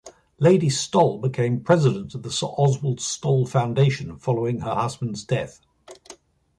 Lady Stoll became President of the Sir Oswald Stoll Foundation following her husband's death.